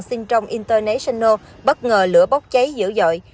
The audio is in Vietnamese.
sinh trong international bất ngờ lửa bốc cháy dữ dội